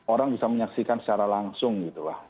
orang bisa menyaksikan secara langsung gitu lah